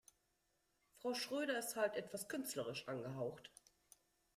Frau Schröder ist halt etwas künstlerisch angehaucht.